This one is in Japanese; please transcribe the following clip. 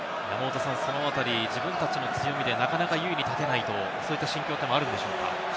自分たちの強みでなかなか有利に立ってないと、そういった心境もあるんでしょうか。